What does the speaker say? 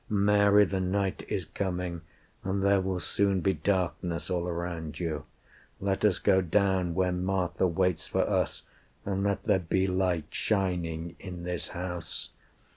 Mary, the night is coming, And there will soon be darkness all around you. Let us go down where Martha waits for us, And let there be light shining in this house."